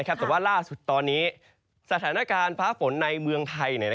แต่ว่าล่าสุดตอนนี้สถานการณ์ฟ้าฝนในเมืองไทย